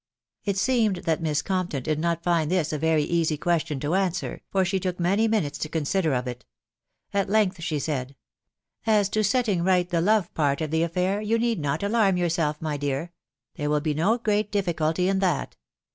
It seemed that Miss Compton did not find this a. veiy question to answer, far she took many minuses to consider of it At length she said, *,.. u As to setting 4ght the kwe part of the affair, you need not alarm yourself, my dear. .. there will be no great difficulty in that